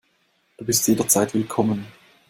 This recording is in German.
Du bist jederzeit willkommen.